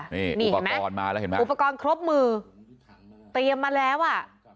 นี่อุปกรณ์มาแล้วเห็นไหมอุปกรณ์ครบมือเตรียมมาแล้วอ่ะ